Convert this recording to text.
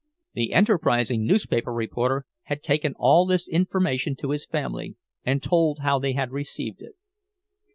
The enterprising newspaper reporter had taken all this information to his family, and told how they had received it.